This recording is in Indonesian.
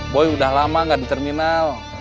boy udah lama nggak di terminal